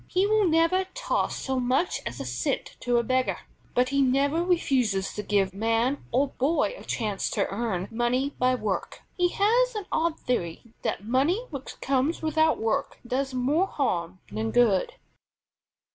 He will never toss so much as a cent to a beggar, but he never refuses to give man or boy a chance to earn money by work. He has an odd theory that money which comes without work does more harm than good.